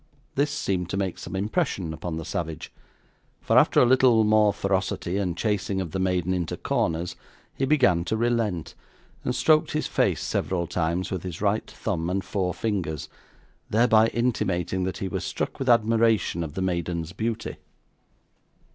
This seemed to make some impression upon the savage; for, after a little more ferocity and chasing of the maiden into corners, he began to relent, and stroked his face several times with his right thumb and four fingers, thereby intimating that he was struck with admiration of the maiden's beauty.